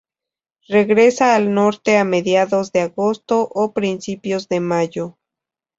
Regresa al norte a mediados de agosto o principios de mayo.